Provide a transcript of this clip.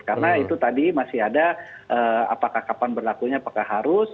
karena itu tadi masih ada apakah kapan berlakunya apakah harus